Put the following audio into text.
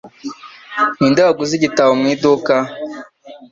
Ninde waguze igitabo mu iduka?